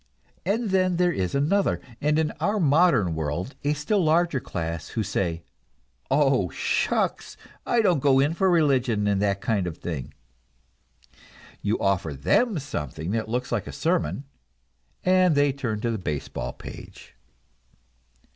And then there is another, and in our modern world a still larger class, who say, "Oh, shucks! I don't go in for religion and that kind of thing." You offer them something that looks like a sermon, and they turn to the baseball page.